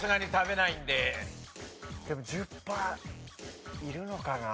でも１０パーいるのかな？